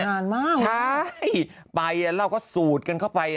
นานมากใช่ไปเราก็สูดกันเข้าไป